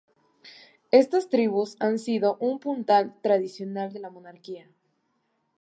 Estas tribus han sido un puntal tradicional de la monarquía.